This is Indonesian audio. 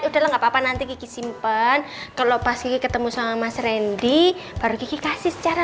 udah enggak apa apa nanti simpen kalau pasti ketemu sama mas rendy baru kiki kasih secara